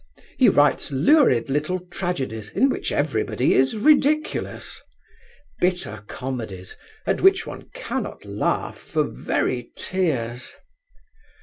He writes lurid little tragedies in which everybody is ridiculous; bitter comedies at which one cannot laugh for very tears.